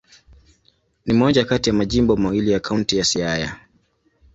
Ni moja kati ya majimbo mawili ya Kaunti ya Siaya.